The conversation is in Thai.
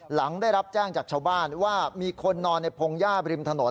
หลังได้รับแจ้งจากชาวบ้านว่ามีคนนอนในพงหญ้าบริมถนน